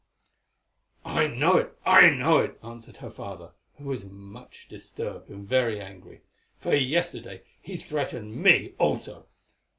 "I know it, I know it," answered her father, who was much disturbed and very angry, "for yesterday he threatened me also.